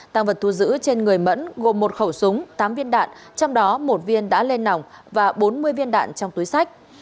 tăng vật thu giữ trên người mẫn gồm một khẩu súng tám viên đạn trong đó một viên đã lên nỏng và bốn mươi viên đạn trong túi sách